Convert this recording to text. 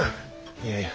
いやいや。